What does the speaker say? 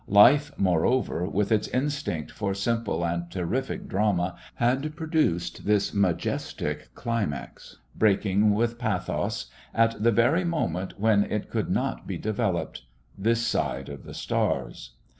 Life, moreover, with its instinct for simple and terrific drama, had produced this majestic climax, breaking with pathos, at the very moment when it could not be developed this side of the stars.